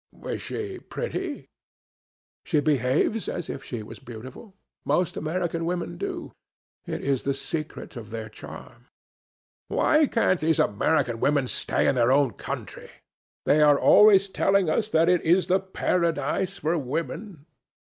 "Is she pretty?" "She behaves as if she was beautiful. Most American women do. It is the secret of their charm." "Why can't these American women stay in their own country? They are always telling us that it is the paradise for women."